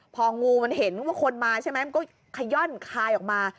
พองูมันเห็นว่าคนมาใช่ไหมมันก็ขย่อนคายออกมา